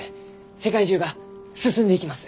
世界中が進んでいきます。